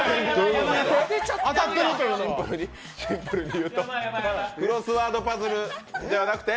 シンプルに言うと、クロスワードパズルではなくて。